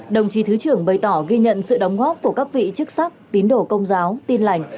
đồng chí thứ trưởng bày tỏ ghi nhận sự đóng góp của các vị chức sắc tín đổ công giáo tin lành